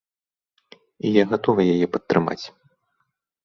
І я гатовы яе падтрымаць.